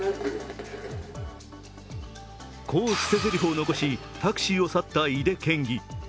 こう捨てぜりふを残しタクシーを去った井手県議。